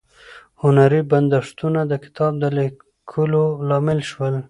هنري بندښتونه د کتاب د لیکلو لامل شول.